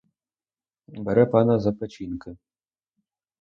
Бере пана за печінки!